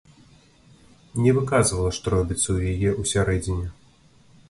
Не выказвала, што робіцца ў яе ўсярэдзіне.